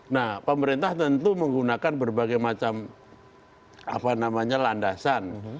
nah pemerintah tentu menggunakan berbagai macam apa namanya landasan